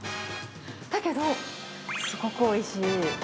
だけど、すごくおいしい。